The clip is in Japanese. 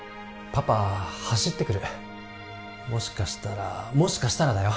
パパ走ってくるもしかしたらもしかしたらだよ